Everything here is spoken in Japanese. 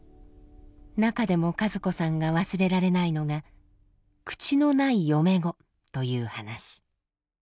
中でも和子さんが忘れられないのが「口のない嫁ご」という話。